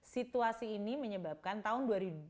situasi ini menyebabkan tahun dua ribu dua puluh